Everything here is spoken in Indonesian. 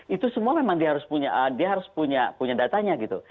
itu semua memang dia harus punya datanya gitu